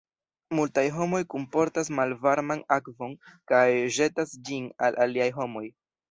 Multaj homoj kunportas malvarman akvon kaj ĵetas ĝin al aliaj homoj.